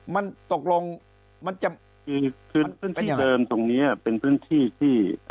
มันตกลงมันจะคือพื้นที่เดิมตรงนี้เป็นพื้นที่ที่